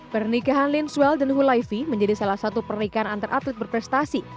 pernikahan lin swell dan hulaifi menjadi salah satu pernikahan antar atlet berprestasi